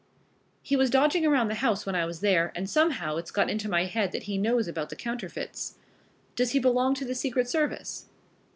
He was dodging around the house when I was there, and somehow it's got into my head that he knows about the counterfeits." "Does he belong to the secret service?"